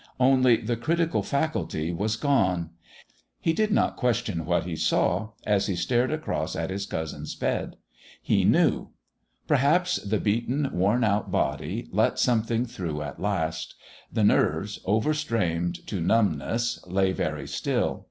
Only, the critical faculty was gone. He did not question what he saw, as he stared across at his cousin's bed. He knew. Perhaps the beaten, worn out body let something through at last. The nerves, over strained to numbness, lay very still.